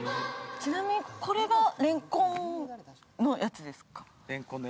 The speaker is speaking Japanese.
ちなみにこれがレンコンのやつですか。